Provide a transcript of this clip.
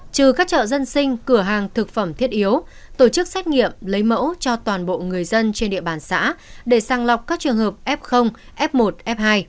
trừ các chợ dân sinh cửa hàng thực phẩm thiết yếu tổ chức xét nghiệm lấy mẫu cho toàn bộ người dân trên địa bàn xã để sang lọc các trường hợp f f một f hai